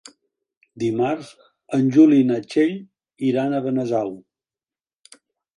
Dimarts en Juli i na Txell iran a Benasau.